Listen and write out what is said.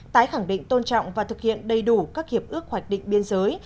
tái khẳng định tôn trọng và thực hiện đầy đủ các hiệp ước hoạch định biên giới